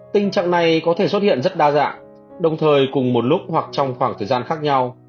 tình trạng này có thể xuất hiện rất đa dạng đồng thời cùng một lúc hoặc trong khoảng thời gian khác nhau